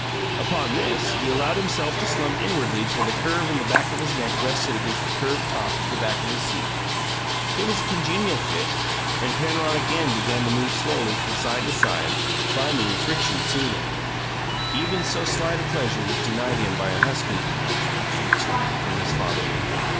Upon this, he allowed himself to slump inwardly till the curve in the back of his neck rested against the curved top of the back of the seat. It was a congenial fit, and Penrod again began to move slowly from side to side, finding the friction soothing. Even so slight a pleasure was denied him by a husky, "Stop that!" from his father.